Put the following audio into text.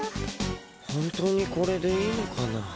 本当にこれでいいのかな。